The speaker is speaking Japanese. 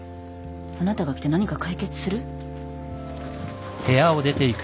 あなたが来て何か解決する？